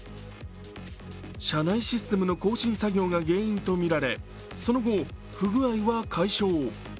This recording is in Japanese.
社内システムの更新作業が原因とみられその後、不具合は解消。